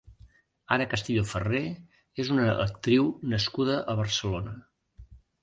Anna Castillo Ferré és una actriu nascuda a Barcelona.